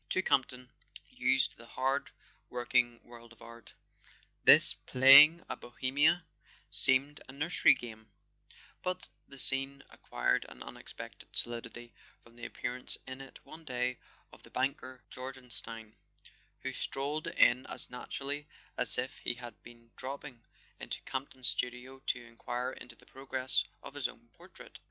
To Campton, used to the hard working world of art, this playing at Bohemia seemed a nursery game; but the scene acquired an unexpected solidity from the appearance in it, one day, of the banker Jorgenstein, who strolled in as naturally as if he had been dropping into Campton's studio to enquire into the progress of his own portrait.